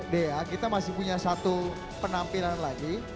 dea kita masih punya satu penampilan lagi